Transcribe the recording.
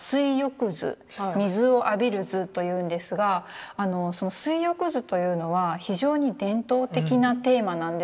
水を浴びる図というんですがあのその水浴図というのは非常に伝統的なテーマなんですね。